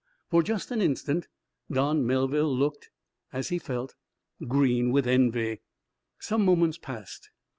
For just an instant Don Melville looked, as he felt, green with envy. Some moments passed.